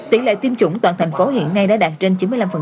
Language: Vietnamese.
tỷ lệ tiêm chủng toàn thành phố hiện nay đã đạt trên chín mươi năm